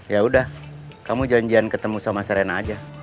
yaudah kamu janjian ketemu sama serena aja